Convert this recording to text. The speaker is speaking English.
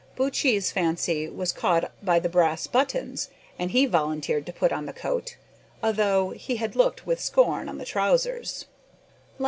Buttchee's fancy was caught by the brass buttons, and he volunteered to put on the coat, although he had looked with scorn on the trousers.